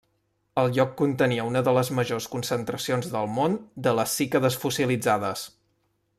El lloc contenia una de les majors concentracions del món de les cícades fossilitzades.